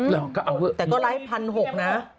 หือหือแต่ก็ไลค์พันหกนะ